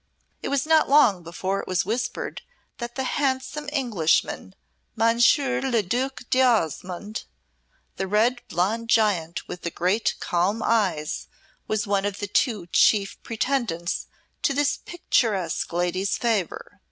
It was not long before it was whispered that the handsome Englishman Monsieur le Duc d'Osmonde, the red blonde giant with the great calm eyes, was one of the two chief pretendants to this picturesque lady's favour.